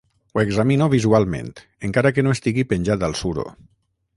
Ho examino visualment, encara que no estigui penjat al suro.